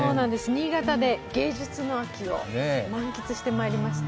新潟で芸術の秋を満喫してまいりました。